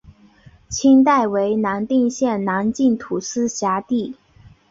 清代为康定县南境土司辖地。